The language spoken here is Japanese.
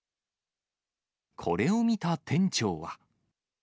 これを見た店長は。